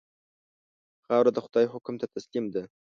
خاوره د خدای حکم ته تسلیم ده.